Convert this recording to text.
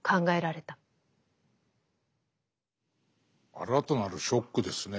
新たなるショックですね。